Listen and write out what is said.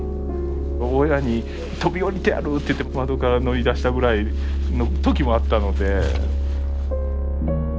親に「飛び降りてやる」って言って窓から乗り出したぐらいの時もあったので。